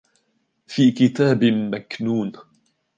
فِي كِتَابٍ مَكْنُونٍ